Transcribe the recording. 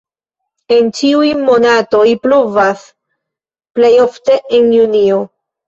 En ĉiuj monatoj pluvas, plej ofte en junio.